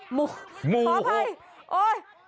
หมูขออภัยโอ๊ย